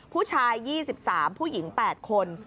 ผู้ชาย๒๓ผู้หญิง๘คน